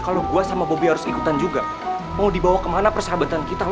kalau gitu gue tunggu di luar aja ya lo siap siap